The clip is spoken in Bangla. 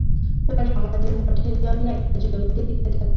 পরে আমাদের মঠের জন্য একটা জমি দেখিতে থাক।